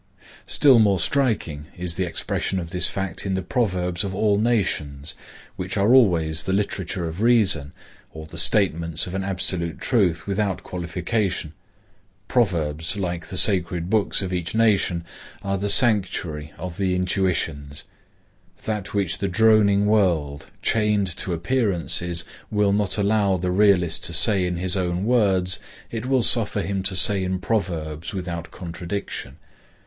Still more striking is the expression of this fact in the proverbs of all nations, which are always the literature of reason, or the statements of an absolute truth without qualification. Proverbs, like the sacred books of each nation, are the sanctuary of the intuitions. That which the droning world, chained to appearances, will not allow the realist to say in his own words, it will suffer him to say in proverbs without contradiction.